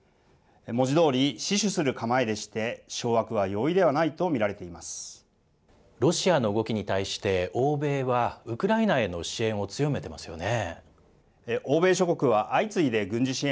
文字どおり死守する構えでして、掌握は容易ではないと見られていロシアの動きに対して、欧米はウクライナへの支援を強めてますよね。